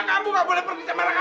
kamu gak boleh pergi sama anak